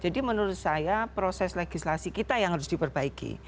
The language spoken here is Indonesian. jadi menurut saya proses legislasi kita yang harus diperbaiki